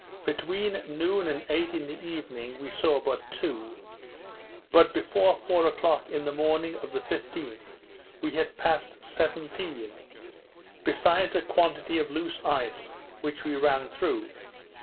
Between noon and eight in the evening we saw but two; but before four o'clock in the morning of the 15th, we had passed seventeen, besides a quantity of loose ice which we ran through.